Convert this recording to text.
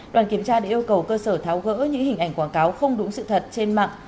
đoàn kiểm tra đã yêu cầu cơ sở tháo gỡ những hình ảnh quảng cáo không đúng sự thật trên mạng